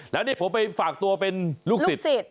แล้วนี่ผมไปฝากตัวเป็นลูกศิษย์